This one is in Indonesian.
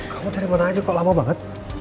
kamu dari mana aja kok lama banget